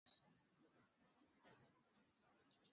zamani alikuwa mvuvi katika bahari ya atlantik